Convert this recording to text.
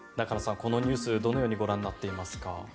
このニュースどのようにご覧になっていますか。